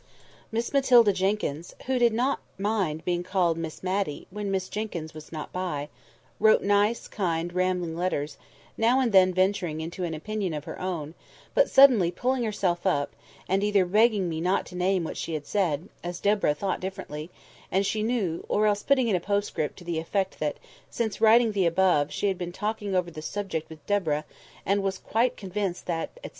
Miss Matilda Jenkyns (who did not mind being called Miss Matty, when Miss Jenkyns was not by) wrote nice, kind, rambling letters, now and then venturing into an opinion of her own; but suddenly pulling herself up, and either begging me not to name what she had said, as Deborah thought differently, and she knew, or else putting in a postscript to the effect that, since writing the above, she had been talking over the subject with Deborah, and was quite convinced that, etc.